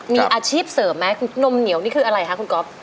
มีอาชีพเสริมไหมคุณนมเหนียวนี่คืออะไรคะคุณก๊อฟ